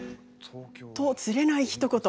つれないひと言。